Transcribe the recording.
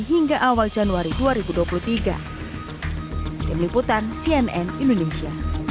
hingga awal januari dua ribu dua puluh tiga